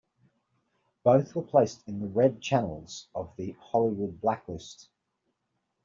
Both were placed in the "Red Channels" of the Hollywood Blacklist.